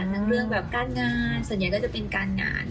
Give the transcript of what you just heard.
เรื่องแบบการงานส่วนใหญ่ก็จะเป็นการงาน